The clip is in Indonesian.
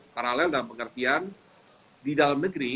paralel dalam pengertian di dalam negeri